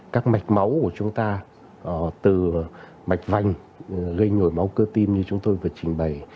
các mạch máu của chúng ta từ mạch vành gây nhồi máu cơ tim như chúng tôi vừa trình bày